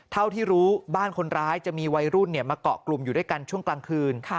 เท่าที่รู้บ้านคนร้ายจะมีวัยรุ่นมาเกาะกลุ่มอยู่ด้วยกันช่วงกลางคืน